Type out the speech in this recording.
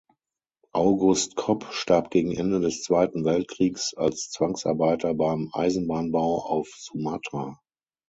August Kop starb gegen Ende des Zweiten Weltkriegs als Zwangsarbeiter beim Eisenbahnbau auf Sumatra.